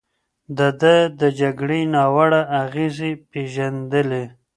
ده د جګړې ناوړه اغېزې پېژندلې.